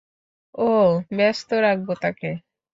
ওহ, ব্যস্ত রাখব তাকে।